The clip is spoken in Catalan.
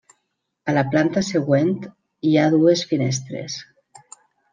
A la planta següent, hi ha dues finestres.